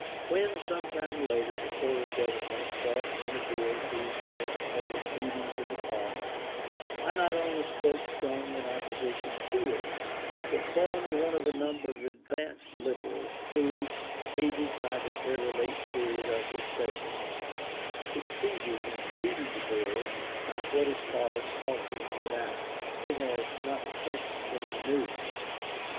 When, some time later, the Tory Government brought in a bill to prevent public meetings in the Parks, I not only spoke strongly in opposition to it, but formed one of a number of advanced Liberals, who, aided by the very late period of the session, succeeded in defeating the Bill by what is called talking it out. It has not since been renewed.